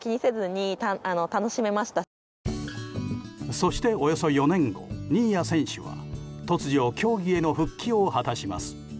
そして、およそ４年後新谷選手は突如、競技への復帰を果たします。